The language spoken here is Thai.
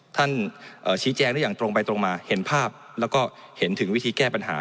ท่านชี้แจงได้อย่างตรงไปตรงมาเห็นภาพแล้วก็เห็นถึงวิธีแก้ปัญหา